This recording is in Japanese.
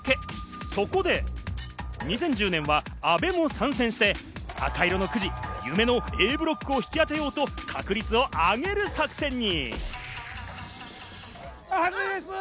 そこで２０１０年は阿部も参戦して夢のＡブロックを引き当てようと、確率を上げる作戦に。